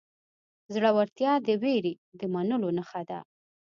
زړورتیا د وېرې د منلو نښه ده.